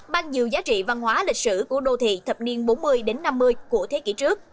bằng nhiều giá trị văn hóa lịch sử của đô thị thập niên bốn mươi năm mươi của thế kỷ trước